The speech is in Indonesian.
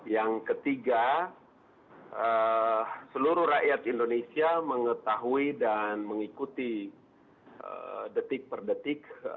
yang ketiga seluruh rakyat indonesia mengetahui dan mengikuti detik per detik